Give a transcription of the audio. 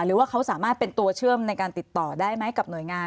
หรือว่าเขาสามารถเป็นตัวเชื่อมในการติดต่อได้ไหมกับหน่วยงาน